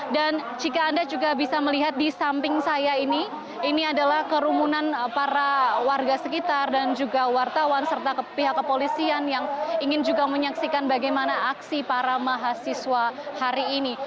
dan jika anda juga bisa melihat di samping saya ini ini adalah kerumunan para warga sekitar dan juga wartawan serta pihak kepolisian yang ingin juga menyaksikan bagaimana aksi para mahasiswa hari ini